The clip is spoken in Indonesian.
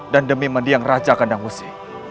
dan demi mendiang raja kandangusi